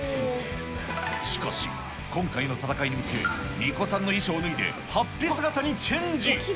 しかし、今回の戦いに向け、みこさんの衣装を脱いではっぴ姿にチェンジ。